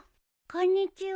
こんにちは。